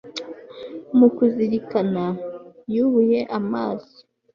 mu kuzirikana, yubuye amaso